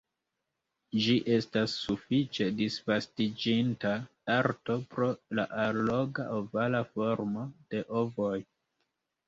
Ĝi estas sufiĉe disvastiĝinta arto pro la alloga, ovala formo de ovoj.